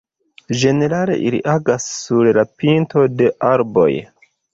Ĝenerale ili agas sur la pinto de arboj.